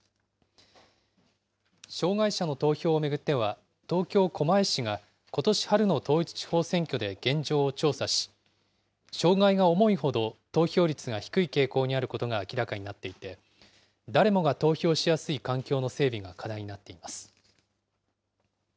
障害者の投票を巡っては、東京・狛江市がことし春の統一地方選挙で現状を調査し、障害が重いほど、投票率が低い傾向にあることが明らかになっていて、誰もが投票しやすい環境の整備が課題になっています。